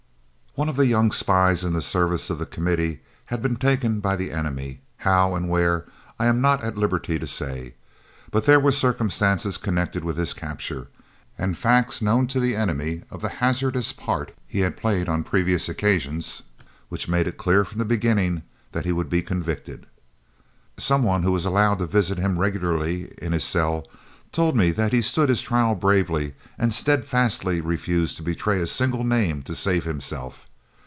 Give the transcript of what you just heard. One of the young spies in the service of the Committee had been taken by the enemy, how and where I am not at liberty to say, but there were circumstances connected with his capture, and facts known to the enemy of the hazardous part he had played on previous occasions, which made it clear from the beginning that he would be convicted. Some one who was allowed to visit him regularly in his cell told me that he stood his trial bravely and steadfastly refused to betray a single name to save himself.